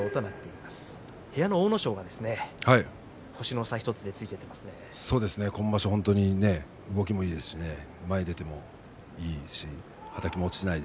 部屋の阿武咲が今場所は動きもいいですし前に出てもいいですしはたきにも落ちません。